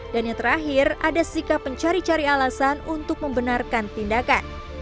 dan yang terakhir ada sikap mencari cari alasan untuk membenarkan tindakan